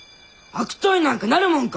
悪党になんかなるもんか！